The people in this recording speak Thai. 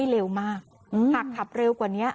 เร็วมากหากขับเร็วกว่านี้